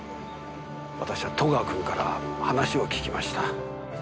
私は戸川君から話を聞きました。